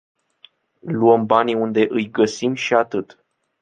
Luăm banii unde îi găsim și atât.